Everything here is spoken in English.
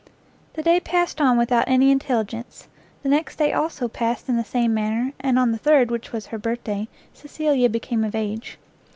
The day passed on without any intelligence; the next day, also, passed in the same manner, and on the third, which was her birthday, Cecilia became of age.